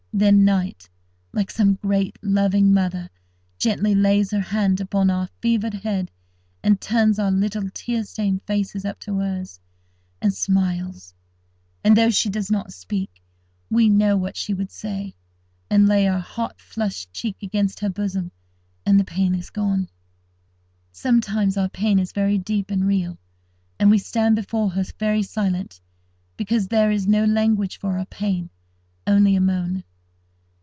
Then Night, like some great loving mother, gently lays her hand upon our fevered head, and turns our little tear stained faces up to hers, and smiles; and, though she does not speak, we know what she would say, and lay our hot flushed cheek against her bosom, and the pain is gone. Sometimes, our pain is very deep and real, and we stand before her very silent, because there is no language for our pain, only a moan.